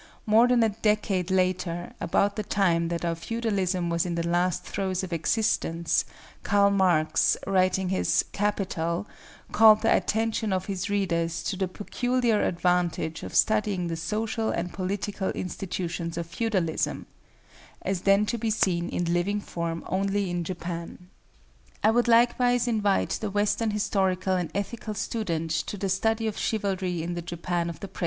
More than a decade later, about the time that our feudalism was in the last throes of existence, Carl Marx, writing his "Capital," called the attention of his readers to the peculiar advantage of studying the social and political institutions of feudalism, as then to be seen in living form only in Japan. I would likewise invite the Western historical and ethical student to the study of chivalry in the Japan of the present.